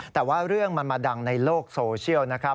แต่ว่าเรื่องมันมาดังในโลกโซเชียลนะครับ